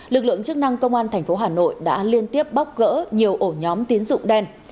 lực lượng chức năng công an tp hcm đã liên tiếp bóc gỡ nhiều ổ nhóm tiến dụng đen